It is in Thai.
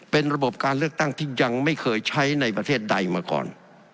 เป็นระบบการเลือกตั้งที่ยังไม่เคยใช้ในประเทศใดมาก่อน